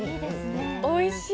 おいしい。